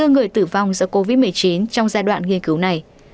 chín mươi bốn người tử vong do covid một mươi chín trong giai đoạn nghiên cứu này